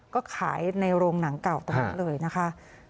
ก็ขายในโรงหนังเก่าตรงนั้นเลยนะคะ